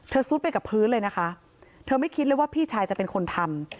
ซุดไปกับพื้นเลยนะคะเธอไม่คิดเลยว่าพี่ชายจะเป็นคนทำ